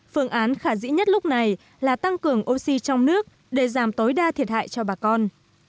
phương án khả dĩ nhất lúc này là tăng cường oxy trong nước để giảm tối đa thiệt hại cho bà con